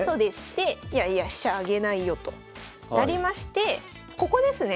でいやいや飛車あげないよとなりましてここですね。